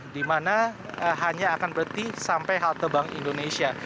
dimana hanya akan berhenti sampai halte bank indonesia